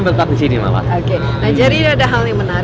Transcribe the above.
mereka disini apa ya